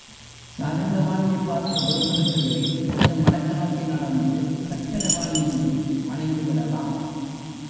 சாரங்கபாணியைப் பார்த்த விறுவிறுப்பிலே கொஞ்சம் வடக்கு நோக்கி நடந்து சக்கரபாணியையும் வணங்கி விடலாம்.